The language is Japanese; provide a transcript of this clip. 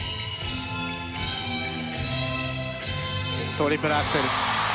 トリプルアクセル。